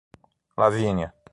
Lavínia